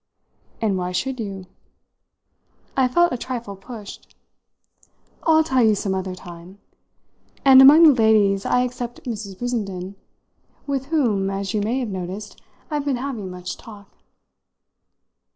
'" "And why should you?" I felt a trifle pushed. "I'll tell you some other time. And among the ladies I except Mrs. Brissenden, with whom, as you may have noticed, I've been having much talk."